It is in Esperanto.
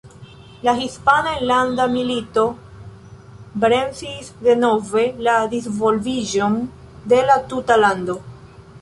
La Hispana Enlanda Milito bremsis denove la disvolviĝon de la tuta lando.